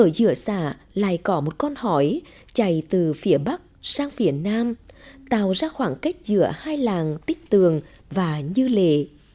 giữa xã lại có một con hỏi chạy từ phía bắc sang phía nam tạo ra khoảng cách giữa hai làng tích tường và như lề